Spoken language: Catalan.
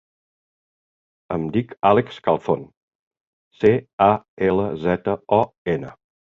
Em dic Àlex Calzon: ce, a, ela, zeta, o, ena.